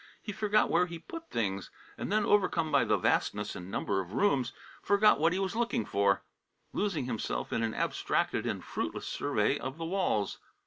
He forgot where he put things, and then, overcome by the vastness and number of rooms, forgot what he was looking for, losing himself in an abstracted and fruitless survey of the walls.